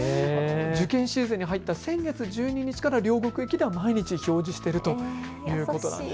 受験生シーズンに入った先月１２日から両国駅で毎日表示しているということなんです。